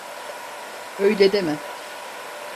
Öyle deme.